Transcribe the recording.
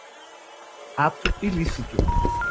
ato ilícito